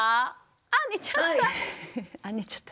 あ寝ちゃった。